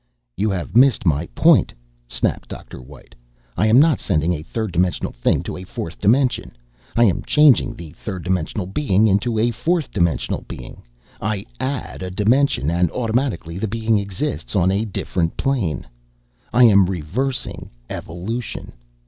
"You have missed my point," snapped Dr. White. "I am not sending a third dimensional thing to a fourth dimension. I am changing the third dimensional being into a fourth dimensional being. I add a dimension, and automatically the being exists on a different plane. I am reversing evolution.